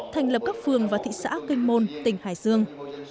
thành lập các phường và thị xã kinh môn tỉnh hải dương